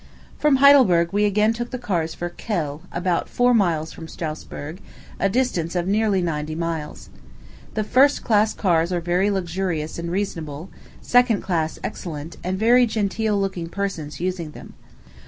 From Heidelberg we again took the cars for Kehl, about four miles from Strasburg, a distance of nearly ninety miles. The first class cars are very luxurious and reasonable; second class, excellent, and very genteel looking persons using them.